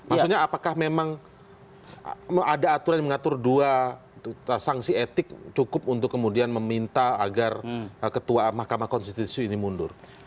maksudnya apakah memang ada aturan yang mengatur dua sanksi etik cukup untuk kemudian meminta agar ketua mahkamah konstitusi ini mundur